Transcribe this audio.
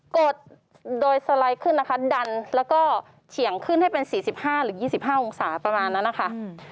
กดโดยสไลด์ขึ้นนะคะดันแล้วก็เฉียงขึ้นให้เป็น๔๕หรือ๒๕องศาประมาณนั้นนะคะ